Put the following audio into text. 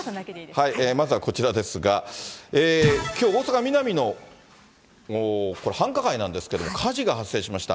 まずはこちらですが、きょう、大阪・ミナミの繁華街なんですけれども、火事が発生しました。